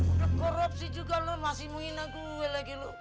udah korupsi juga lo masih menghina gue lagi lo